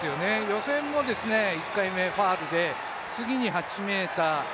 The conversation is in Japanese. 予選も１回目ファウルで、次に８ｍ１５。